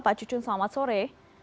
pak cucun selamat sore